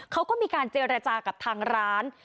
เขาก็มีการเจรจากับทางร้าน